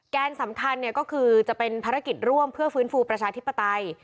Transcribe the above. แกนสำคัญก็คือจะเป็นภารกิจร่วมเพื่อฟื้นฟูประชาธิปไตย